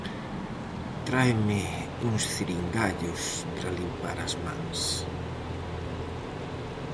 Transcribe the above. Tráeme uns ciringallos para limpar as mans.